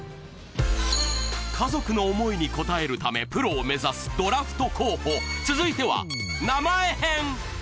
家族の思いに応えるため、プロを目指すドラフト候補、続いては、名前編。